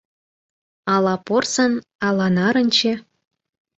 Ала порсын, ала нарынче